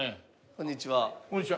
こんにちは。